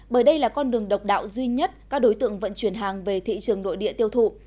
bởi đây là con đường độc đạo duy nhất các đối tượng vận chuyển hàng về thị trường nội địa tiêu thụ